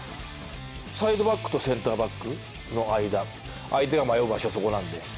サイドバックとセンターバックの間、相手が迷う場所はそこなんで。